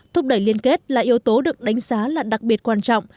thúc đẩy liên kết là yếu tố được đánh giá là đặc biệt quan trọng